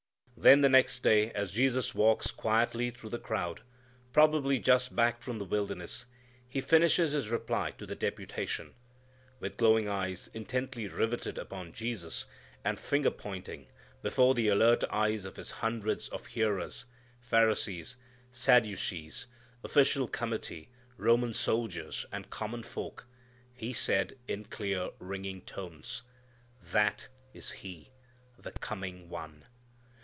Then the next day, as Jesus walks quietly through the crowd, probably just back from the wilderness, he finishes his reply to the deputation. With glowing eyes intently riveted upon Jesus, and finger pointing, before the alert eyes of his hundreds of hearers Pharisees, Sadducees, official committee, Roman soldiers, and common folk he said in clear, ringing tones, "_That is He: the coming One!